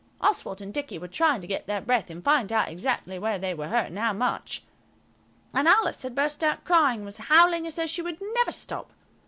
Oswald and Dicky were trying to get their breath and find out exactly where they were hurt and how much, and Alice had burst out crying and was howling as though she would never stop.